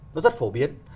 nó rất phổ biến